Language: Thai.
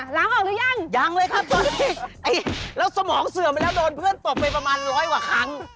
แล้วสมองเสื่อมไปแล้วโดนเพื่อนตบไปประมาณร้อยกว่าครั้ง